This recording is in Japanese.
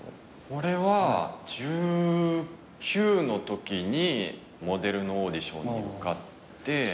俺は１９のときにモデルのオーディションに受かって。